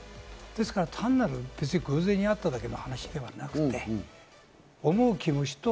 ですから単なる偶然合っただけの話ではなくて、思う気持ちと。